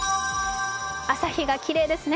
朝日がきれいですね